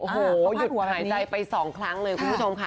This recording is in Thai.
หยุดหายใจไปสองครั้งเลยคุณผู้ชมคะ